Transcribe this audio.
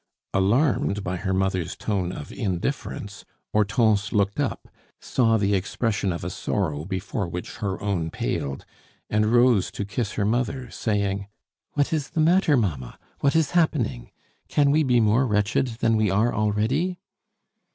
Alarmed by her mother's tone of indifference, Hortense looked up, saw the expression of a sorrow before which her own paled, and rose to kiss her mother, saying: "What is the matter, mamma? What is happening? Can we be more wretched than we are already?"